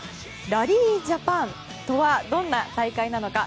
ラリー・ジャパンとはどんな大会なのか。